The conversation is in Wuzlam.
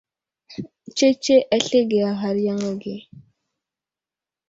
Tsetse aslege a ghar yaŋ age.